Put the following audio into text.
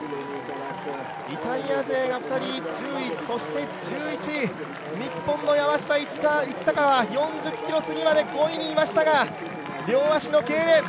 イタリア勢が２人、１０位、そして１１位、日本の山下一貴は４０ｋｍすぎまで５位にいましたが両足のけいれん。